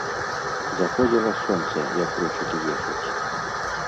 Заходзіла сонца, як рушылі ехаць.